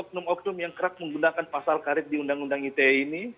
yang terdiri dari warga oknum oknum yang kerap menggunakan pasal karet di undang undang ite ini